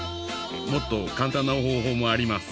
もっと簡単な方法もあります。